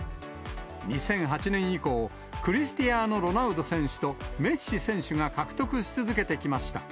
２００８年以降、クリスティアーノ・ロナウド選手とメッシ選手が獲得し続けてきました。